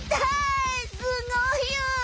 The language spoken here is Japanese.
すごいよ。